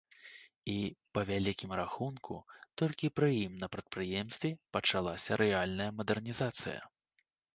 І, па вялікім рахунку, толькі пры ім на прадпрыемстве пачалася рэальная мадэрнізацыя.